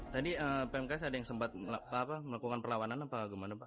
tadi pmks ada yang sempat melakukan perlawanan apa gimana pak